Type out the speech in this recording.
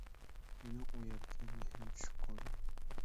مېنىڭ ئۇ يەرگە مېھرىم چۈشۈپ قالدى.